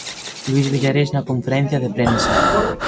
Luís Villares, na conferencia de prensa.